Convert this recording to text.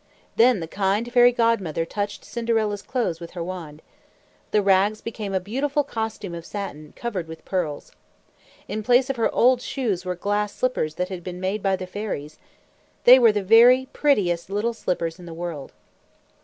Then the kind Fairy Godmother touched Cinderella's clothes with her wand. The rags became a beautiful costume of satin, covered with pearls. In place of her old shoes were glass slippers that had been made by the fairies. They were the very prettiest little slippers in the world.